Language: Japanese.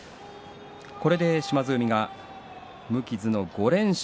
これで島津海は無傷の５連勝。